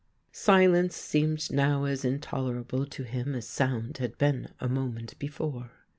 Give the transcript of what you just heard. Silence seemed now as intolerable to him as sound had been a moment before.